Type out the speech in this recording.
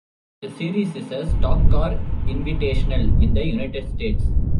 The series is a stock car invitational in the United States.